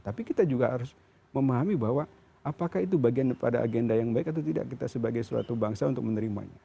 tapi kita juga harus memahami bahwa apakah itu bagian pada agenda yang baik atau tidak